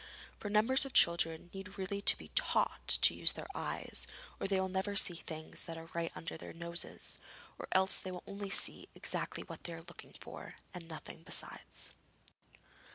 For numbers of children need really to be taught to use their eyes, or they will never see things that are right under their noses; or else they will only see exactly what they are looking for, and nothing besides.